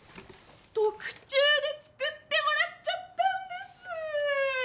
特注で作ってもらっちゃったんです！